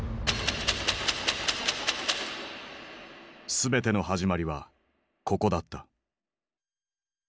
全ての始まりはここだった。